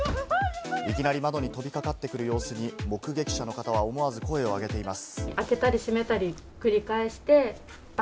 いきなり窓に飛びかかってくる様子に目撃者の方は思わず声を上げています。